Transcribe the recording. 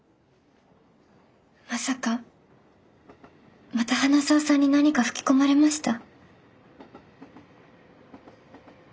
まさかまた花澤さんに何か吹き込まれました？